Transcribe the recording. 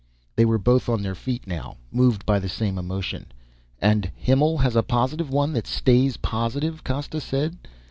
They were both on their feet now, moved by the same emotion. "And Himmel has a positive one that stays positive," Costa said.